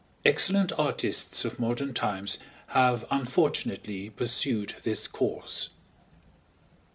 Excellent artists of modern times have unfortunately pursued this course.